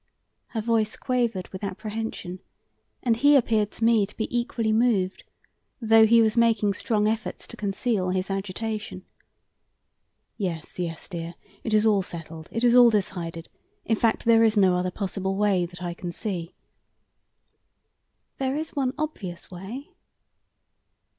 Her voice quavered with apprehension, and he appeared to me to be equally moved, though he was making strong efforts to conceal his agitation. "Yes, yes, dear; it is all settled, it is all decided; in fact, there is no other possible way, that I can see." "There is one obvious way."